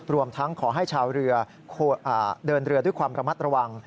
รวมทั้งขอให้ชาวเรือเดินเรือด้วยความระมัดระวัง